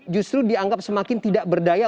justru dianggap semakin tidak berdaya